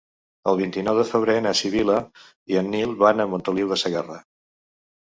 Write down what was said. El vint-i-nou de febrer na Sibil·la i en Nil van a Montoliu de Segarra.